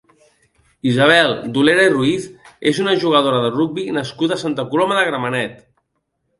Isabel Dolera i Ruiz és una jugadora de rugbi nascuda a Santa Coloma de Gramenet.